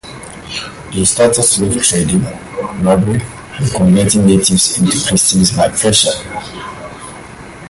They started slave trading, robbery and converting natives into Christians by pressure.